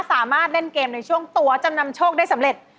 สามารถเล่นเกมในช่วงตัวจำนำโชคได้สำเร็จ